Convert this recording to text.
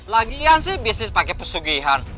lagian sih bisnis pake persugihan